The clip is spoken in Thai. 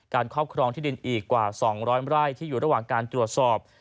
ครอบครองที่ดินอีกกว่า๒๐๐ไร่ที่อยู่ระหว่างการตรวจสอบ